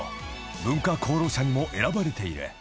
［文化功労者にも選ばれている］